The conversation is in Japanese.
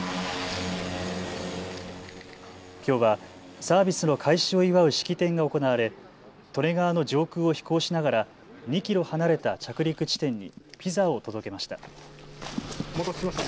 きょうはサービスの開始を祝う式典が行われ利根川の上空を飛行しながら２キロ離れた着陸地点にピザを届けました。